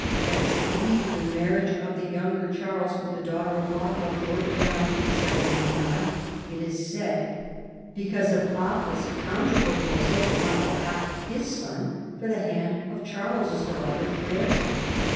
A treaty for the marriage of the younger Charles with the daughter of Offa broke down (789), it is said, because of Offa's counter pro posal on behalf of his son for the hand of Charles's daughter Bertha.